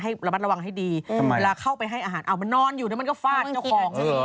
ให้ระมัดระวังให้ดีลาเข้าไปให้อาหารอ้าวมันนอนอยู่แล้วมันก็ฟาดเจ้าของ